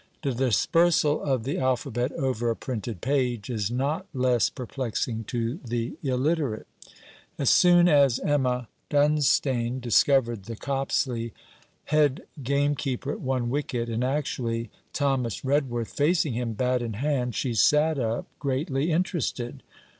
The dispersal of the alphabet over a printed page is not less perplexing to the illiterate. As soon as Emma Dunstane discovered the Copsley head gamekeeper at one wicket, and, actually, Thomas Redworth facing him, bat in hand, she sat up, greatly interested.